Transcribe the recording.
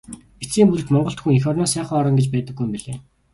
Эцсийн бүлэгт Монгол хүнд эх орноос сайхан орон гэж байдаггүй юм билээ.